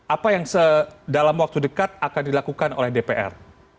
apa yang dalam waktu dekat akan dilakukan oleh dpr